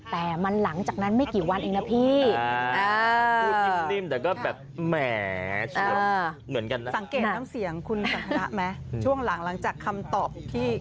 แต่มันหลังจากนั้นไม่กี่วันเองนะพี่